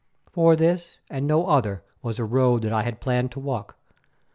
For this and no other was the road that I had planned to walk.